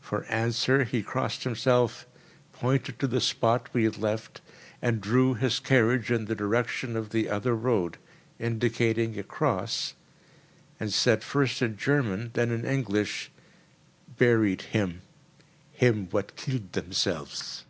For answer he crossed himself, pointed to the spot we had left and drew his carriage in the direction of the other road, indicating a cross, and said, first in German, then in English: "Buried him—him what killed themselves."